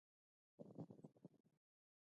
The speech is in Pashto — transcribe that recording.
ښه زده کوونکی څوک دی؟